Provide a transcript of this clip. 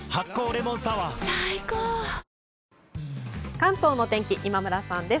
関東の天気今村さんです。